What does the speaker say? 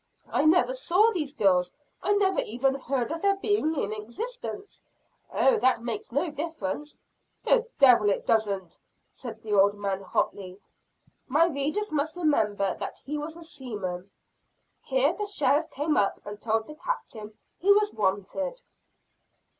I never saw these girls. I never even heard of their being in existence." "Oh, that makes no difference." "The devil it doesn't!" said the old man, hotly. My readers must remember that he was a seaman. Here the sheriff came up and told the Captain he was wanted.